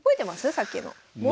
さっきの。